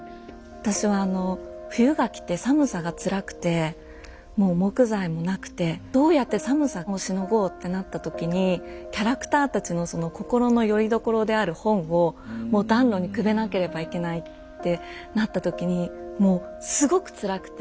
私はあの冬が来て寒さがつらくてもう木材もなくて「どうやって寒さをしのごう」ってなった時にキャラクターたちの心のよりどころである本をもう暖炉にくべなければいけないってなった時にもうすごくつらくて。